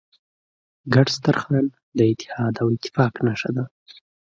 ګډ سترخوان د اتحاد او اتفاق نښه ده.